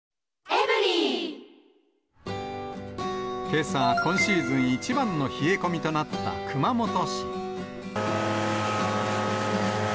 けさ、今シーズン一番の冷え込みとなった熊本市。